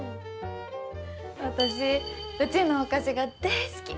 私うちのお菓子が大好き。